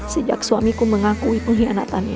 sejak suamiku mengakui pengkhianatannya